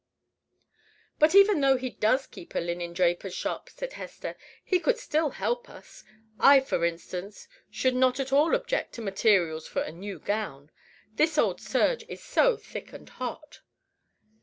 "But even though he does keep a linen draper's shop," said Hester, "he could still help us. I, for instance, should not at all object to materials for a new gown. This old serge is so thick and hot."